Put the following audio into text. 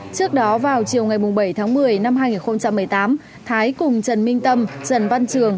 trước đó vào chiều ngày bảy tháng một mươi năm hai nghìn một mươi tám thái cùng trần minh tâm trần văn trường